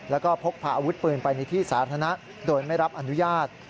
แล้วก็พกพาอาวุธปืนไปในที่สาธารณะโดยไม่รับอนุญาต